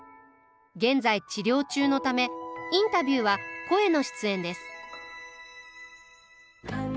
現在治療中のためインタビューは声の出演です。